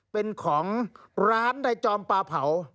เป็นของร้านในจอมปลาเผา